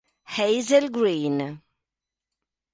Hazel Green